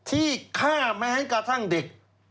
ที่ฆ่าแม้กระทั่งเด็ก